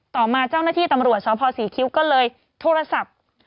ต่อมาเจ้าหน้าที่ตำรวจสพศรีคิ้วก็เลยโทรศัพท์